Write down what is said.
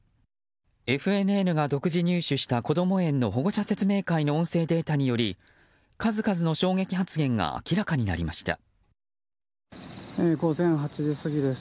ＦＮＮが独自入手したこども園の保護者説明会の音声データによる数々の衝撃発言が午前８時過ぎです。